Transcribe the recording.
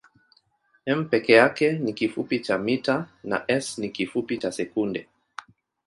m peke yake ni kifupi cha mita na s ni kifupi cha sekunde.